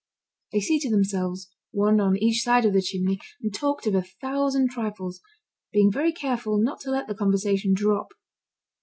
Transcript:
They seated themselves, one on each side of the chimney, and talked of a thousand trifles, being very careful not to let the conversation drop.